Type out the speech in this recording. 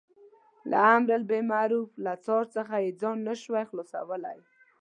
له امر بالمعروف له څار څخه یې ځان نه شوای خلاصولای.